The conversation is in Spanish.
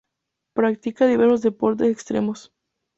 Practica diversos deportes extremos.